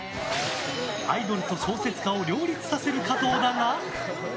アイドルと小説家を両立させる加藤だが。